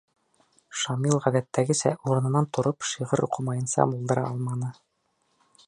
Шамил ғәҙәттәгесә урынынан тороп шиғыр уҡымайынса булдыра алманы: